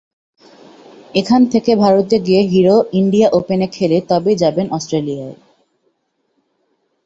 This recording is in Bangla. এখান থেকে ভারতে গিয়ে হিরো ইন্ডিয়া ওপেনে খেলে তবেই যাবেন অস্ট্রেলিয়ায়।